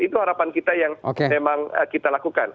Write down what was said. itu harapan kita yang memang kita lakukan